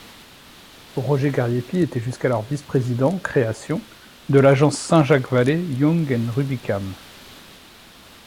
Roger Gariépy était jusqu'alors vice-président, création, de l'agence Saint-Jacques Vallée Young & Rubicam.